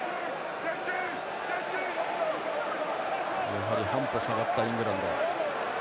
やはり半歩下がったイングランド。